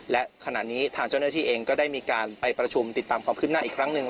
และขณะนี้ทางเจ้าหน้าที่เองก็ได้มีการไปประชุมติดตามความขึ้นหน้าอีกครั้งหนึ่ง